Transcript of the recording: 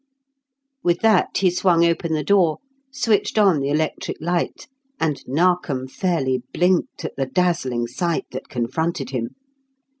With that he swung open the door, switched on the electric light, and Narkom fairly blinked at the dazzling sight that confronted him.